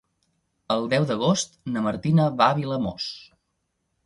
El deu d'agost na Martina va a Vilamòs.